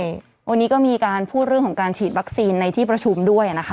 ใช่วันนี้ก็มีการพูดเรื่องของการฉีดวัคซีนในที่ประชุมด้วยนะคะ